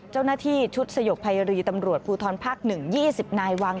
เจ้าหน้าที่ชุดสยกภัยรีตำรวจภูทรภหนึ่งยี่สิบนายวัง